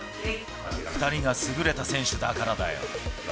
２人が優れた選手だからだよ。